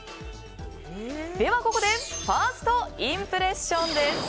では、ここでファーストインプレッションです。